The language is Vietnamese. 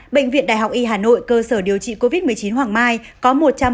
bệnh viện đại học y hà nội cơ sở điều trị covid một mươi chín hoàng mai có một trăm bảy mươi năm ca